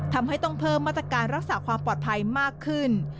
ทำให้ต้องเพิ่มมาตรการรักษาความปลอดภัยมากขึ้น